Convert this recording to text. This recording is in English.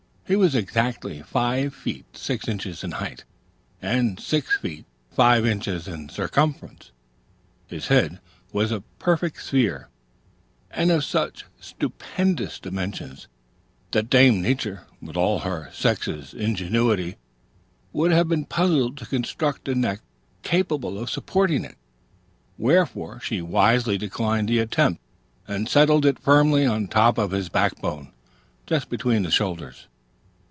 He was exactly five feet six inches in height, and six feet five inches in circumference. His head was a perfect sphere, and of such stupendous dimensions, that Dame Nature, with all her sex's ingenuity, would have been puzzled to construct a neck capable of supporting it; wherefore she wisely declined the attempt, and settled it firmly on the top of his backbone, just between the shoulders.